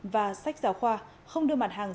và sách giáo khoa không đưa mặt hàng